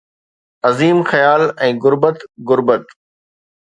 عظيم خيال ۽ غريب غربت.